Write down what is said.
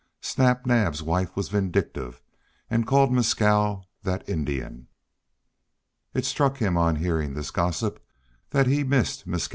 Snap Naab's wife was vindictive, and called Mescal "that Indian!" It struck him on hearing this gossip that he had missed Mescal.